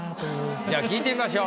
じゃあ聞いてみましょう。